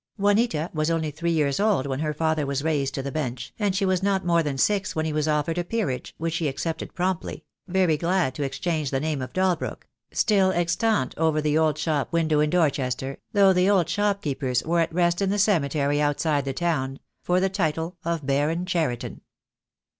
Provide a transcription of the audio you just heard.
Juanita was only three years old when her father was raised to the bench, and she was not more than six when he was offered a peerage, which he accepted promptly, very glad to exchange the name of Dalbrook — still ex tant over the old shop window in Dorchester, though the old shopkeepers were at rest in the cemetery outside the town — for the title of Baron Cheriton.